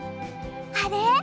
あれ？